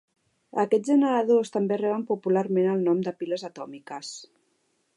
Aquests generadors també reben popularment el nom de piles atòmiques.